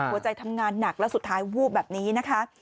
ทำงานหนักแล้วสุดท้ายวูบแบบนี้นะคะ